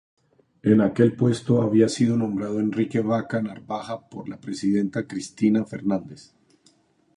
En aquel puesto había sido nombrado Enrique Vaca Narvaja por la presidenta Cristina Fernández.